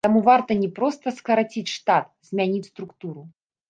Таму варта не проста скараціць штат, змяніць структуру.